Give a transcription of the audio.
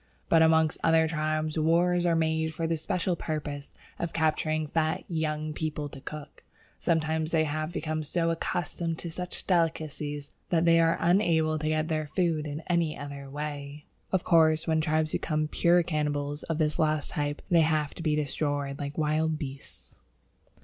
But amongst other tribes wars are made for the special purpose of capturing fat young people to cook. Sometimes they have become so accustomed to such delicacies that they are unable to get their food in any other way. Of course, when tribes become "pure cannibals" of this last type they have to be destroyed like wild beasts.